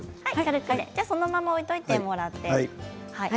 そのまま置いておいてください。